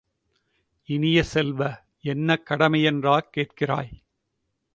இனிய செல்வ, என்ன கடமை என்றா கேட்கிறாய்?